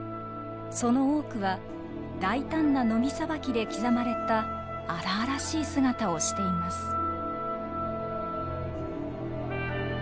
その多くは大胆なノミさばきで刻まれた荒々しい姿をしています。